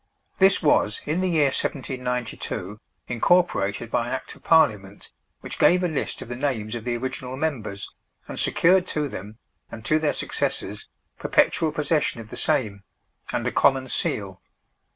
This was, in the year 1792, incorporated by an Act of Parliament, which gave a list of the names of the original members, and secured to them, and to their successors, perpetual possession of the same, and a common seal.